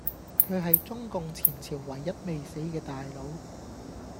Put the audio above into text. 佢係中共前朝唯一未死既大佬